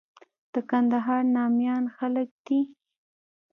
د کندهار ناميان خلک دي.